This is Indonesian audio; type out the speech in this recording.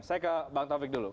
saya ke bang taufik dulu